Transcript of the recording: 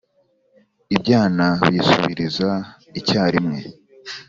ibyana biyisubiriza icyarimwe,